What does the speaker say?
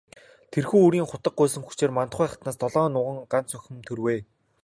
Тэрхүү үрийн хутаг гуйсан хүчээр Мандухай хатнаас долоон нуган, гагц охин төрвэй.